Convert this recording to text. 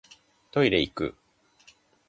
トイレいく